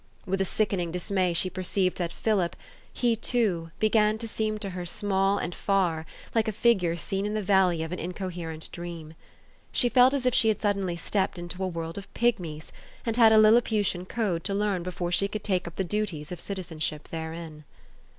With a sickening dismay she perceived that Philip he too began to seem to her small and far, like a figure seen in the valley of an incoher ent dream. She felt as if she had suddenly stepped into a world of pygmies, and had a liliputian code to learn before she could take up the duties of citizen ship therein.